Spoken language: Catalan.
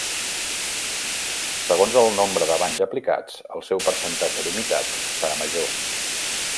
Segons el nombre de banys aplicats el seu percentatge d'humitat serà major.